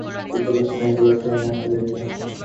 উত্তর-পশ্চিম দিকে এগোলে, ট্রেন আসতে দেখবে।